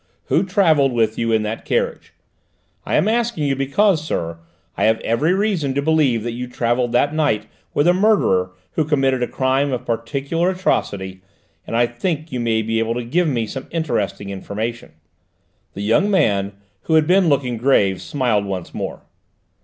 Who travelled with you in that carriage? I am asking you because, sir, I have every reason to believe that you travelled that night with a murderer who committed a crime of particular atrocity, and I think you may be able to give me some interesting information." The young man, who had been looking grave, smiled once more.